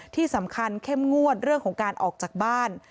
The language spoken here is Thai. ที่สำคัญเข้มงวดเรื่องของการออกจากบ้าน